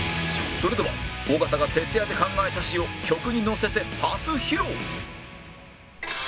それでは尾形が徹夜で考えた詞を曲にのせて初披露！